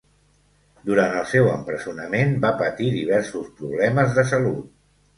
Durant el seu empresonament va patir diversos problemes de salut.